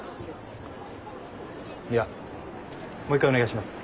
いやもう一回お願いします。